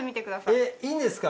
えっいいんですか？